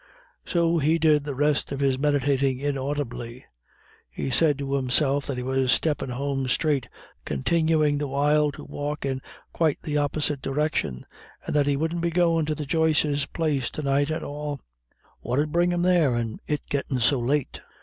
So he did the rest of his meditating inaudibly. He said to himself that he was steppin' home straight continuing the while to walk in quite the opposite direction and that he wouldn't be goin' to the Joyces' place to night at all; what 'ud bring him there, and it gettin' so late?